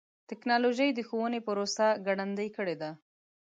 ټکنالوجي د ښوونې پروسه ګړندۍ کړې ده.